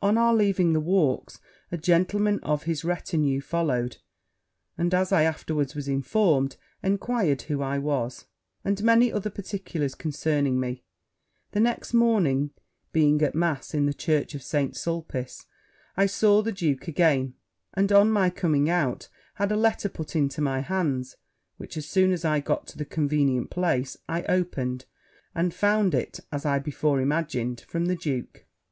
'On our leaving the walks, a gentleman of his retinue followed; and, as I afterwards was informed, enquired who I was, and many other particulars concerning me: the next morning, being at mass in the church of St. Sulpice, I saw the duke again; and, on my coming out, had a letter put into my hands, which, as soon as I got to a convenient place, I opened, and found it, as I before imagined, from the duke.